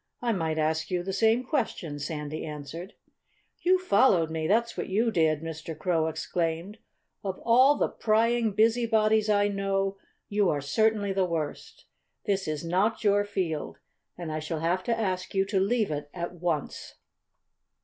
"I might ask you the same question," Sandy answered. "You followed me that's what you did!" Mr. Crow exclaimed. "Of all the prying busybodies I know, you are certainly the worst. This is not your field; and I shall have to ask you to leave it at once."